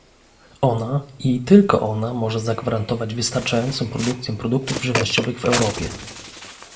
Ona i tylko ona może zagwarantować wystarczającą produkcję produktów żywnościowych w Europie